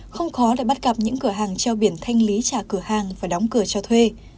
không khó để bắt gặp những cửa hàng treo biển thanh lý trả cửa hàng và đóng cửa cho thuê